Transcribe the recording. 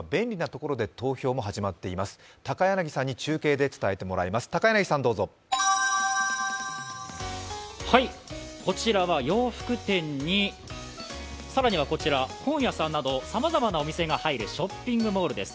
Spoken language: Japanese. こちらは洋服店に更にはこちら本屋さんなどさまざまなお店が入るショッピングモールです。